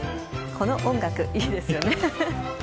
この音楽、いいですよね。